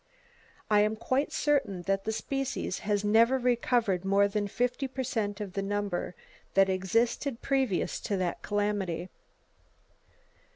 I am quite certain that the species never has recovered more than 50 per cent of the number that existed previous to the calamity.